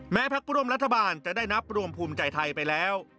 พักร่วมรัฐบาลจะได้นับรวมภูมิใจไทยไปแล้ว